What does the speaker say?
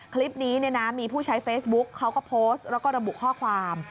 คลิปนี้มีผู้ใช้เฟซบุ๊กเขาก็โพสต์แล้วก็ระบุข้อความ